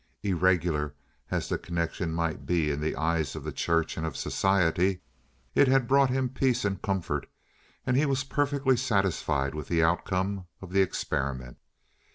Irregular as the connection might be in the eyes of the church and of society, it had brought him peace and comfort, and he was perfectly satisfied with the outcome of the experiment.